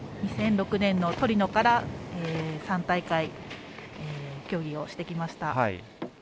２００６年のトリノから３大会競技をしてきました。